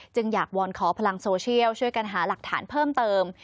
อยากวอนขอพลังโซเชียลช่วยกันหาหลักฐานเพิ่มเติม